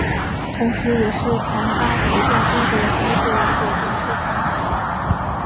同时也是庞巴迪在中国的第一个有轨电车项目。